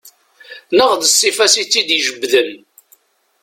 Neɣ d ssifa-s i tt-id-ijebden.